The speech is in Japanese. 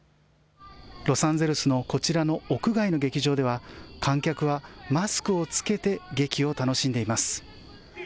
ロサンゼルスのこちらの屋外の劇場では観客はマスクを着けて劇を楽しんでいます。